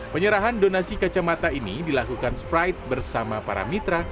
penyerahan donasi kacamata ini dilakukan sprite bersama para mitra